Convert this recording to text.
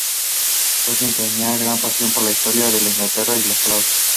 Tolkien tenía gran pasión por la historia de Inglaterra y por las palabras.